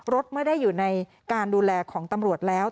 รถเมื่อได้อยู่ในการดูแลของตำรวจแล้ว